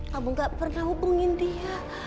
kamu gak pernah hubungin dia